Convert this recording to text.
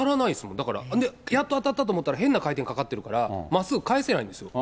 だから、やっと当たったと思ったら、変な回転かかってるから、まっすぐ返せないんですよ。